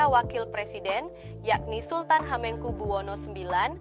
wakil presiden yakni sultan hamengku buwono ix